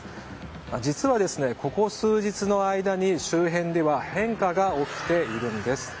実は、ここ数日の間に周辺では変化が起きています。